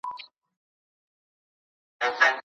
د املا تمرین د زده کړي سرعت زیاتوي.